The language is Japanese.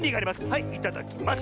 はいいただきます。